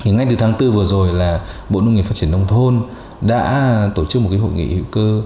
ngay từ tháng bốn vừa rồi là bộ nông nghiệp phát triển nông thôn đã tổ chức một hội nghị hữu cơ